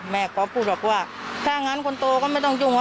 แม่ก๊อฟพูดมาว่าถ้างั้นคนโตก็ไม่ต้องยุ่ง